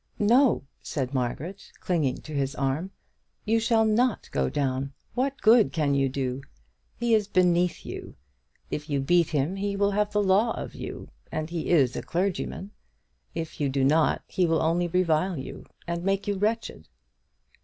"No," said Margaret, clinging to his arm, "you shall not go down. What good can you do? He is beneath you. If you beat him he will have the law of you and he is a clergyman. If you do not, he will only revile you, and make you wretched."